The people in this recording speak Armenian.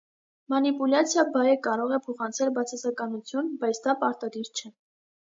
«Մանիպուլյացիա» բայը կարող է փոխանցել բացասականություն, բայց դա պարտադիր չէ։